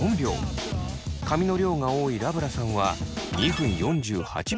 髪の量が多いラブラさんは２分４８秒かかりました。